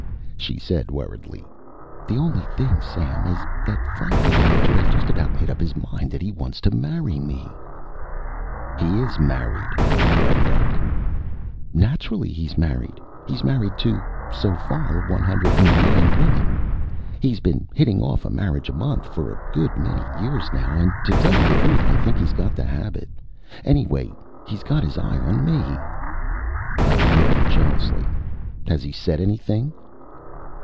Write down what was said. She said worriedly: "The only thing, Sam, is that, frankly, the Major has just about made up his mind that he wants to marry me " "He is married!" I yelped. "Naturally he's married. He's married to so far one hundred and nine women. He's been hitting off a marriage a month for a good many years now and, to tell you the truth, I think he's got the habit Anyway, he's got his eye on me." I demanded jealously: "Has he said anything?"